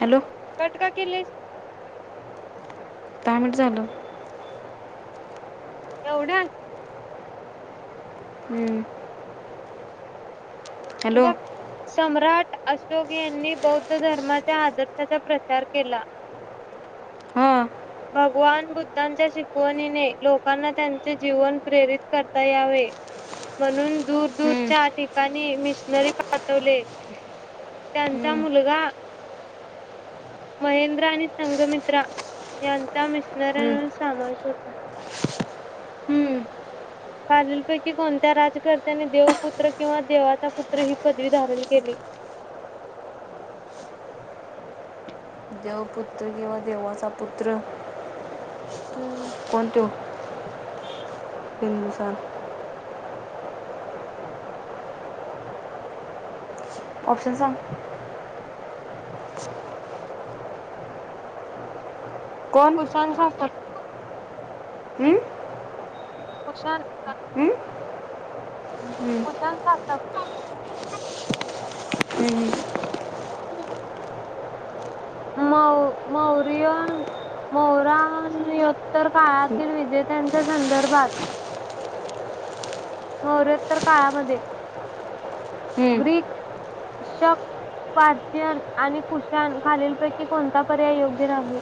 Hello. Cut का? केले दहा मिनट झालं. [unintelligible] हम्म. हॅलो बघ, सम्राट अशोक यांनी बौद्ध धर्माच्या आदर्शाचा प्रचार केला. बघ, हां भगवान बुद्धांच्या शिकवणीने लोकांना त्यांचे जीवन प्रेरित करता यावे. म्हणून दूर, हम्म, दूरच्या ठिकाणी [unintelligible] मिशनरी पाठवले त्यांचा हम्म, मुलगा महेंद्र आणि संगमित्रा यांचा हम्म, मिशनरना समावेश होता. हम्म. खालीलपैकी कोणत्या राजकर्त्यानी देवपुत्र किंवा देवाचा पुत्र ही पदवी धारण केली. देव पुुत्र किंवा देवाचा पुत्र, हम्म कोण तो? हिंदुसा ऑप्शन सांग. कोण कुशांण असतात. हम्म कुशांण हम्म? हम्म, कुशांण सा हम्म, [unintelligible] मौ मौर्य मौरानोत्तर हम्म, काळातील विजेत्यांच्या संदर्भात, मौर्यातर काळामध्ये हम्म. ग्रीक, कषक पारशियन आणि कुशाण खालीलपैकी कोणता पर्याय योग्य राही.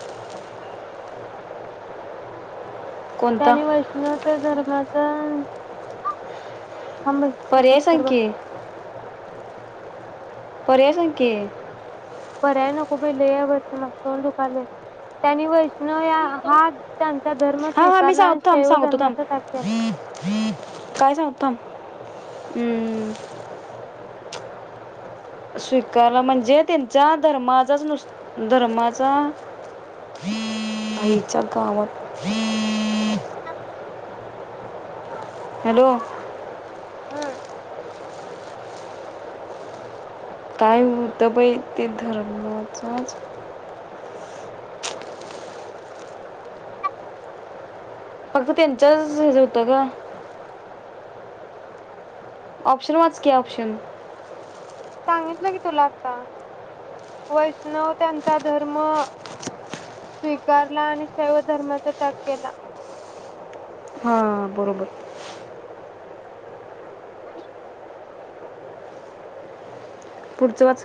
कोणता त्यानी [unintelligible] त्या धर्माचा पर्याय सांग [unintelligible] की पर्याय सांग की, पर्याय नको बाई लय हाय वर्षा, माझं तोंड दुखालयं त्यांनी वैष्णव या हा त्यांचा धर्म हा हा मी स्वीकारला आणि सांगतो म शैव सांगतो थांब धर्माचा त्याग केला. काय सांगतो हम्म स्वीकारलं म्हणजे त्यांचा धर्माचाच नुस धर्माचा आईच्या गावात [unintelligible] हॅलो हम्म काय होतं बाई तिथं धर्माचाच फक्त त्यांच्याच हेच होत ग ऑप्शन वाच की ऑप्शन सांगितलं की तुला आता वैष्णव त्यांचा धर्म स्वीकारला आणि शैव धर्माचा त्याग केला हा बरोबर आणि पुढंच वाच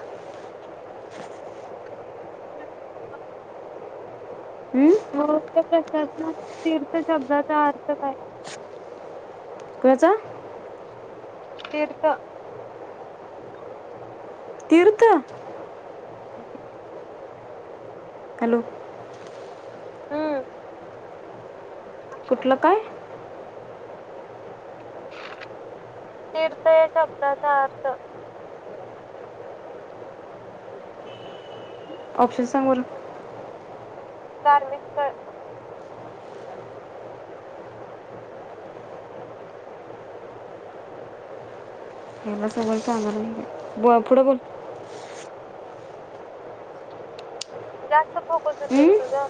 त [unintelligible] हम्म मग प्रशासना तीर्थ शब्दाचा अर्थ काय कशांचा तिर्थ तीर्थ हम हॅलो हम्म कुठलं काय तीर्थ या शब्दाचा अर्थ ऑप्शन सांग बरं धार्मिक स्थळ एवढं सगळं सांगणार पुढं बोल जास्त फोकस होतोय ग तुझा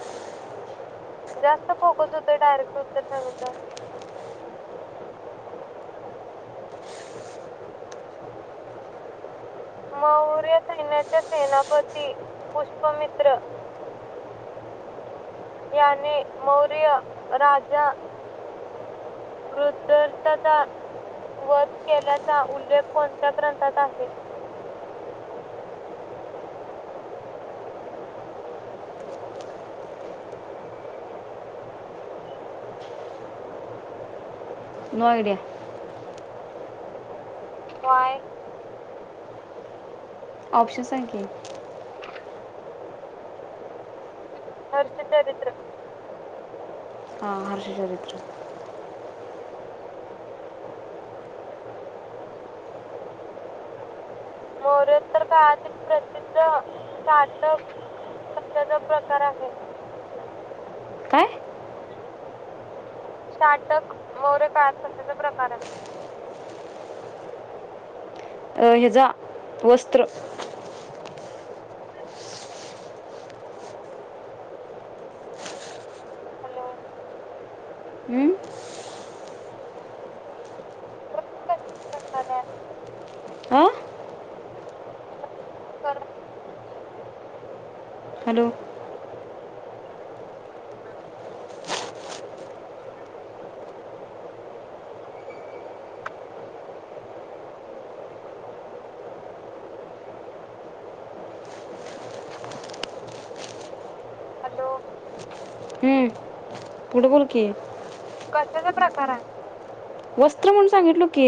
जास्त फोकस होतोय डायरेक्ट उत्तर सांगितल्या वर मौर्य सैन्याचे सेनापती पुष्पमित्र याने मौर्य राजा वृधताचा वध केल्याचा उल्लेख कोणत्या ग्रंथात आहे मोरडिया व्हाय ऑप्शन सांग की हर्ष चरित्र हा हर्ष चरित्र मौर्योत्तर काळातील प्रसिद्ध साटक कश्याचा प्रकार आहे काय साटक मौर्य काळात कशाचा प्रकार आहे हेजा वस्त्र. [inaudible] हॅलो. हम्म? [unintelligible] हा कर. हॅलो. एक [inaudible] हॅलो. हम्म, पुढं बोल की. कशाचा प्रकार आहे. वस्त्र म्हणून सांगितलो की.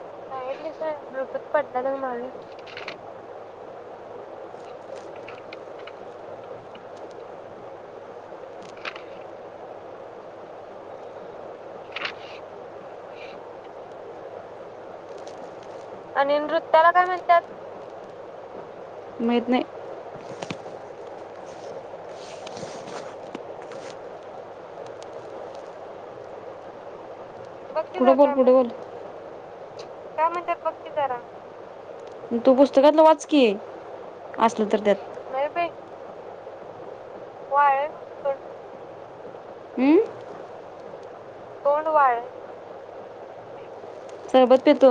सांगितलीस होय, ब्लुटूथ पडलेल ग माझं. आणि नृत्याला काय म्हणत्यात. माहित नाही. बघ की पुढे जरा बोल काय पुढे म्हणतात बोल. काय म्हणत्यात बघ की जरा. तू पुस्तकातलं वाच की. असलं तर त्यात. नाही बाई वाळे [unintelligible] हम्म तोंड वाळलय. सरबत पितो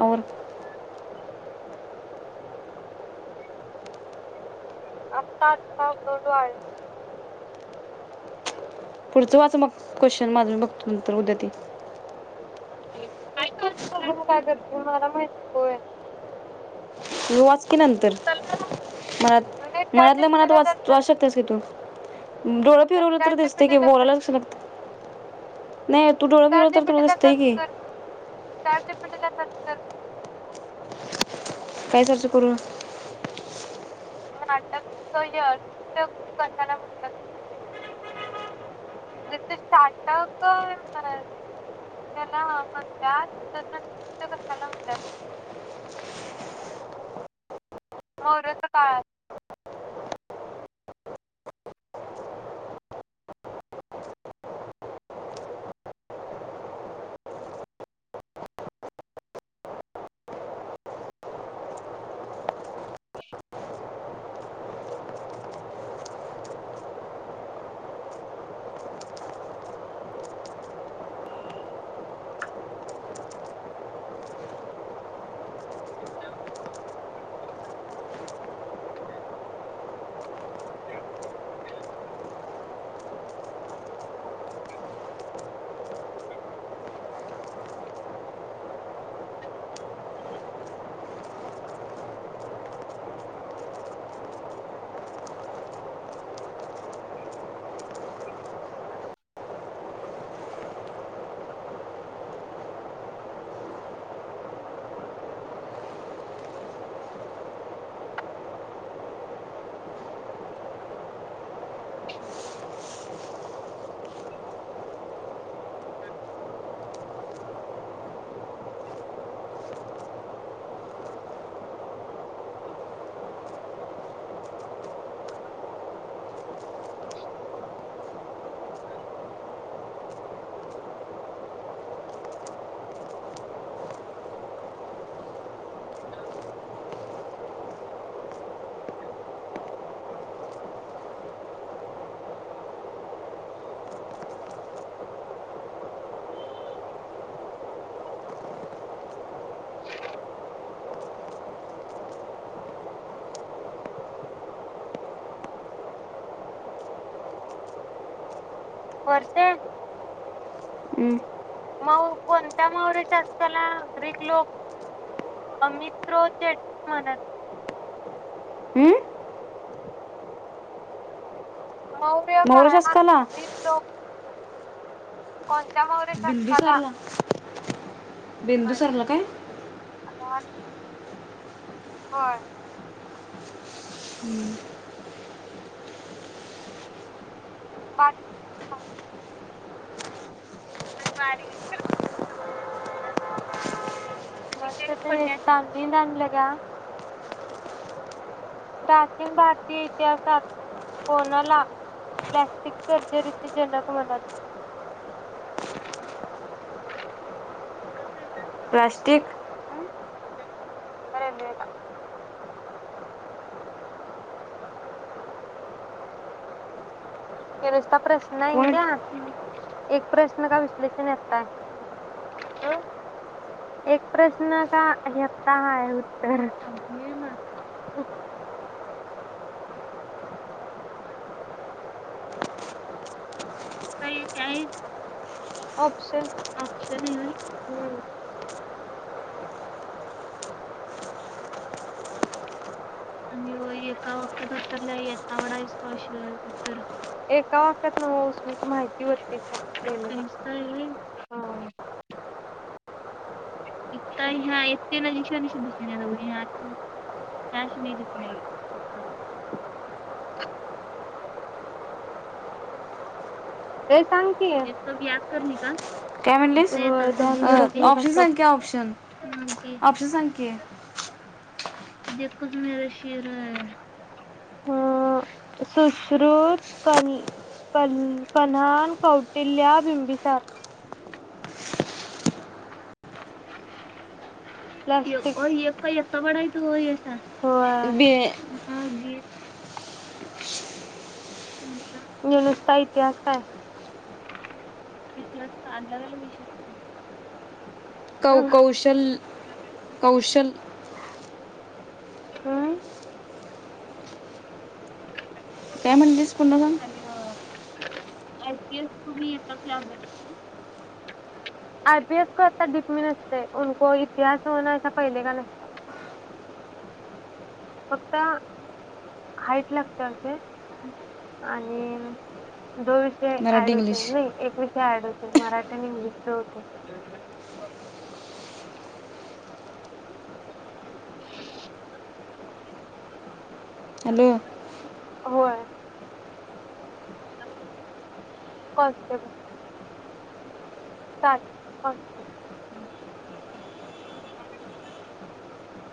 [unintelligible] [inaudible] आत्ता आत्ता [unintelligible] पुढचं वाच मग क्वेश्चन माझ मी बघतो नंतर उद्या ते. [inaudible] मला माहिती [inaudible] कि नंतर मनात चॅट मनातल्या मनात जीपीटीला वाच जर वाचू शकतेस की तू? डोळ फिरवलं तर चॅट दिसते की जीपीटीला बोलाला कशाला लागत. नाही तू डोळ फिरव चॅट तर तुला जीपीटीला दिसतंय सर्च की. कर [unintelligible] काय [unintelligible] करू? नाटक [unintelligible] कशाला म्हणतात? जस स्टार्टप [unintelligible] त्याला म्हणतात त्यांना कशाला म्हणतात? [unintelligible] हा. [inaudible] [unintelligible] फारसे हम्म? म कोणत्या [unintelligible] ग्रीक लोक [unintelligible] म्हणत? हम्म? मौर्य काळात [unintelligible] कोण. बिंदू सरला. बिंदू सरला काय? [unintelligible] होय [unintelligible] [unintelligible] प्राचीन भारतीय इतिहासात कोनाला प्लास्टिक सर्जरीचे जनक म्हणत? प्लास्टिक, अरेरे [unintelligible] हे नुसता प्रश्न येऊ कोण द्या एक प्रश्न का नुसता विश्लेषण आता है [unintelligible] [unintelligible] का [unintelligible] आहे ऑप्शन ऑप्शन हाय होय. आणि एका वाक्यात उत्तरला यता वडा आहेस का अश उत्तर एका वाक्यात [unintelligible] न उसमची माहिती होते [unintelligible] इ ह्या येते ना जिकशशी दिस नाही हशी नाही दिस ते सांगते सब याद करने का काय म्हणलीस रहता अ मम्मी ऑप्शन सांग की ऑप्शन मम्मी ऑप्शन सांग की देू म शिर आहे अ सुश्रुत क कन्हान कौटिल्य बिंबिसार [inaudible] बे मग नुसता इतिहास काय इतिहास अलग अलग विषय कौ कौशल कौशल हा काय म्हणलीस? पुन्हा सांग आणि आयपीएस य आयपीएस को आता डिपमी नसतेको इतिहास हो पहिले का नसत फक्त हाईट लागत असे आणि दो विषय मराठी ऍड होत इंग्लिश नाही एक विषय ऍड होत मराठी आणि इंग्लिश च होतय. [inaudible] हॅलो होय कॉन्स्टेबल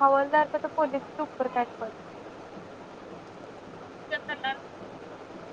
हवालदार तर तर पोलीस उपर कायत पडते.